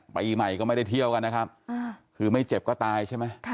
ปีใหม่ก็ไม่ได้เที่ยวกันนะครับคือไม่เจ็บก็ตายใช่ไหม